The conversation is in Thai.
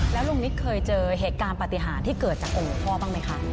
แล้วลุงนิดเคยเจอเหตุการณ์ปฏิหารที่เกิดจากองค์หลวงพ่อบ้างไหมคะ